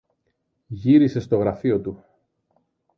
Γύρισε στο γραφείο του